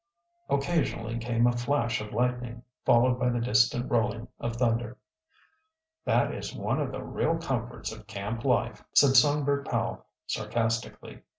Occasionally came a flash of lightning, followed by the distant rolling of thunder. "This is one of the real comforts of camp life," said Songbird Powell sarcastically.